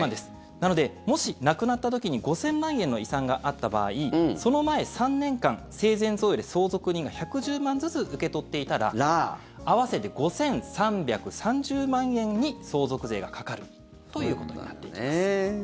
なので、もし亡くなった時に５０００万円の遺産があった場合その前３年間生前贈与で相続人が１１０万ずつ受け取っていたら合わせて５３３０万円に相続税がかかるということになっていきます。